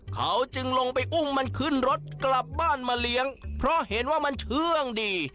เขาจึงลงไปอุ้มมันขึ้นรถกลับบ้านมาเลี้ยงเพราะเห็นว่ามันเชื่องดี